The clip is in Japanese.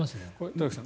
田崎さん